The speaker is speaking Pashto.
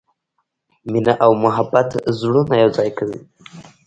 مینه او محبت زړونه یو ځای کوي.